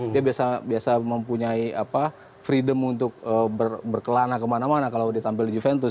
dia biasa mempunyai apa freedom untuk berkelana kemana mana kalau ditampil di juventus